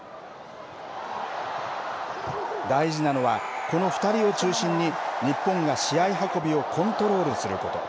大事なのは、この２人を中心に日本が試合運びをコントロールすること。